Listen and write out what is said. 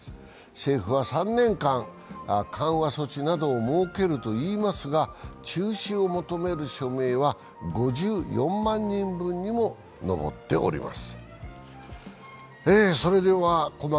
政府は、３年間緩和措置などを設けるなどといいますが中止を求める署名は５４万人分にも上っております。